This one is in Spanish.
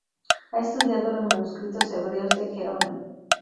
Ha estudiado los manuscritos hebreos de Gerona.